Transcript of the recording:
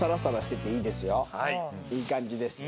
いい感じです。